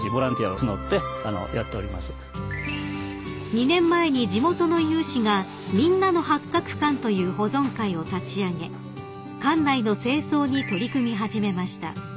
［２年前に地元の有志が「みんなの八鶴館」という保存会を立ち上げ館内の清掃に取り組み始めました］